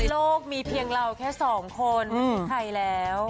โลกมีเพียงเราแค่สองคนถ่ายแล้ว